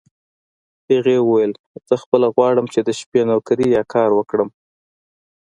هغې وویل: زه خپله غواړم چې د شپې نوکري یا کار وکړم.